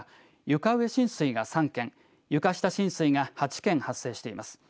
床上浸水が３件床下浸水が８件発生しています。